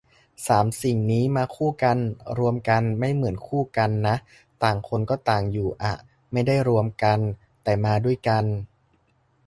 สามสิ่งนี้มาคู่กัน "รวมกัน" ไม่เหมือน "คู่กัน" นะ ต่างคนก็ต่างอยู่อ่ะ ไม่ได้รวมกัน แต่มาด้วยกัน